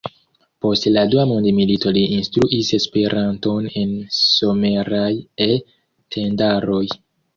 Post la dua mondmilito li instruis Esperanton en someraj E-tendaroj.